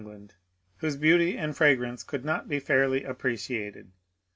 MARRIAGE 287 land whose beauty and fragrance could not be fairly appre ciated.